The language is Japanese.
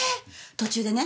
途中でね